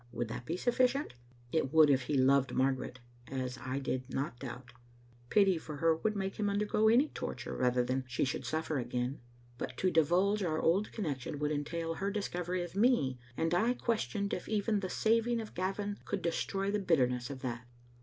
Would that be sufficient? It would if he loved Margaret, as I did not doubt. Pity for her would make him undergo any torture rather Digitized by VjOOQ IC than she should suffer again. But to divulge our. old connection would entail her discovery of me, and I questioned if even the saving of Gavin could destroy the bitterness of that.